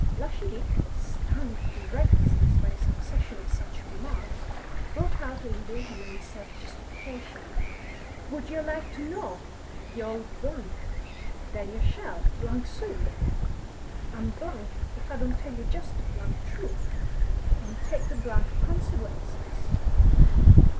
Lushy Dick, stung to recklessness by a succession of such remarks, broke out in vehement self justification. "Would yer like to know, y' old ! Then yer shall, soon! I'm if I don't tell jist the truth, an' take the consequences.